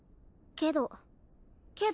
けど？